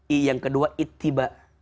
i yang kedua ittiba